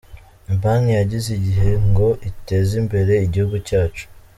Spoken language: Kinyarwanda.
Ni banki yaziye igihe ngo iteze imbere igihugu cyacu.